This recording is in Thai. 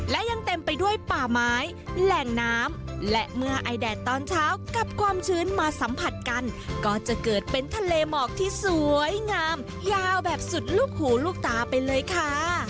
และยังเต็มไปด้วยป่าไม้แหล่งน้ำและเมื่อไอแดดตอนเช้ากับความชื้นมาสัมผัสกันก็จะเกิดเป็นทะเลหมอกที่สวยงามยาวแบบสุดลูกหูลูกตาไปเลยค่ะ